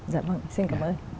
dạ vâng xin cảm ơn